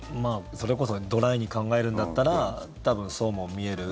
それこそドライに考えるんだったら多分そうも見える。